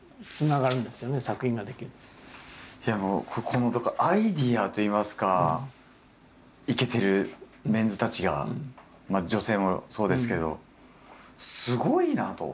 このアイデアといいますかいけてるメンズたちが女性もそうですけどすごいなあと。